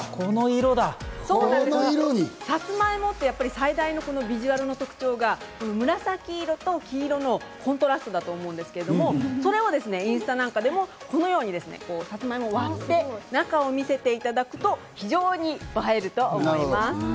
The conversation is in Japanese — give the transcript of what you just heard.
サツマイモって最大のビジュアルの特徴が紫色と黄色のコントラストだと思うんですけれども、それをインスタなんかでもこのようにサツマイモを割って、中を見せていただくと、非常に映えると思います。